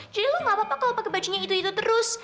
jadi lo gak apa apa kalau pake bajunya itu itu terus